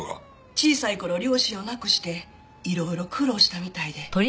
小さい頃両親を亡くして色々苦労したみたいで。